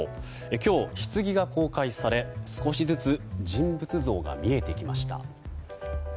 今日、ひつぎが公開され少しずつ人物像が見えてきました。